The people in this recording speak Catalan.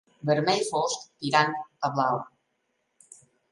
Vermell fosc, tirant a blau.